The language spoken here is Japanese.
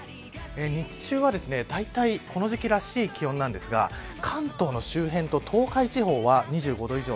日中はだいたいこの時期らしい気温なんですが関東の周辺と東海地方は２５度以上。